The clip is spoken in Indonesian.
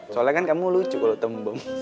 soalnya kan kamu lucu kalau tembong